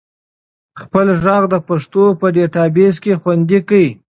خپل ږغ د پښتو په ډیټابیس کې خوندي کړئ.